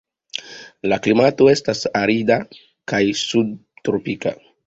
La klimato estas arida kaj subtropika.